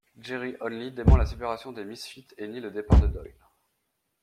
Jerry Only dément la séparation des Misfits et nie le départ de Doyle.